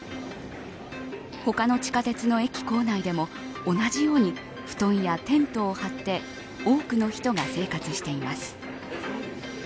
他の地下鉄の駅構内でも同じように布団やテントを張って多くの人が生活しています。